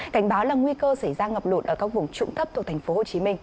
cảnh báo là nguy cơ xảy ra ngập lụt ở các vùng trụng thấp thuộc tp hcm